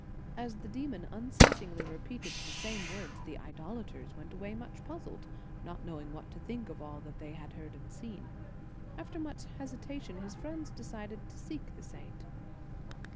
As the demon unceasingly re peated the same words, the idolaters went away much puzzled, not knowing what to think of all that they had seen and heard. After much hesitation, his friends decided to seek the saint.